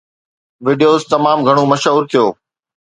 video تمام گهڻو مشهور ٿيو